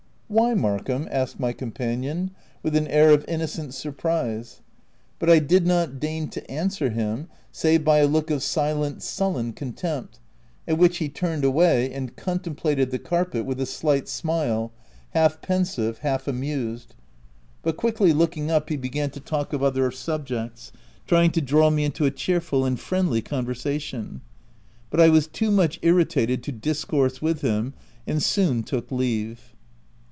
"Why, Markham?" asked my companion, with an air of innocent surprise. But I did not deign to answer him, save by a look of silent, sullen contempt, at which he turned away, and contemplated the carpet with a slight smile, half pensive, half amused ; but quickly looking up, he began to talk of other subjects, trying to draw me into a cheerful and friendly conversation ; but I was too much irritated to discourse with him, and soon took leave.